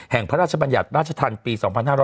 พระราชบัญญัติราชธรรมปี๒๕๕๙